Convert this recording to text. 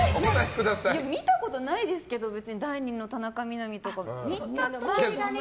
見たことないですけど、別に第２の田中みな実とか。